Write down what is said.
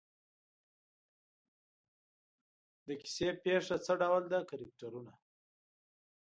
د کیسې پېښه څه ډول ده کرکټرونه.